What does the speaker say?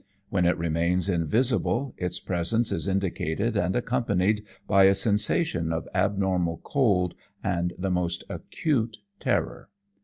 When it remains invisible its presence is indicated and accompanied by a sensation of abnormal cold and the most acute terror.